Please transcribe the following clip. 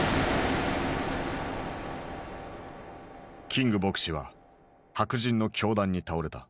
キング牧師は白人の凶弾に倒れた。